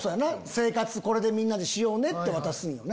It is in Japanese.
生活これでみんなでしようねって渡すんよね。